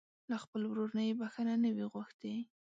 له خپل ورور نه يې بښته نه وي غوښتې.